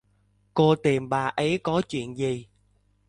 Cô tìm bà ấy có chuyện gì